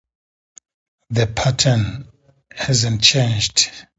That pattern hasn't changed.